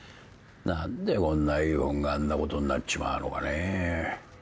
何でこんないい本があんなことになっちまうのかね？